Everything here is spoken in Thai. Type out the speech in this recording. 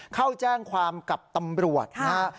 เข้าแจ้งความกับตำรวจนะฮะ